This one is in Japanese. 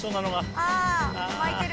あぁ巻いてる。